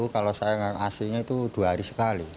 kalau saya ngangin ac nya itu dua hari sekali